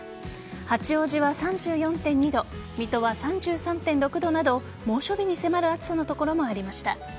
八王子は３４．２度水戸は３３．６度など猛暑日に迫る暑さの所もありました。